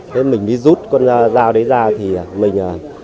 thế mình đi rút con dao đấy ra thì mình